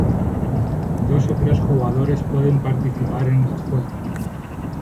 Dos o tres jugadores pueden participar en el juego.